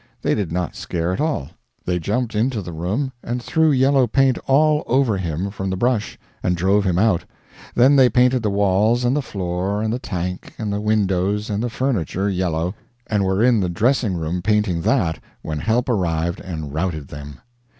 They did not scare at all; they jumped into the room and threw yellow paint all over him from the brush, and drove him out; then they painted the walls and the floor and the tank and the windows and the furniture yellow, and were in the dressing room painting that when help arrived and routed them.